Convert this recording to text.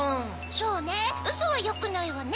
そうねうそはよくないわね